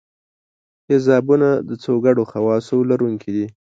تیزابونه د څو ګډو خواصو لرونکي دي.